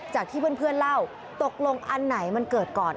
จากที่เพื่อนเล่าตกลงอันไหนมันเกิดก่อน